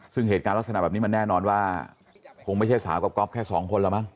ซึ่งเหตุการณ์ลักษณะแบบนี้มันแน่นอนว่าคงไม่ใช่สาวกับก๊อฟแค่สองคนแล้วมั้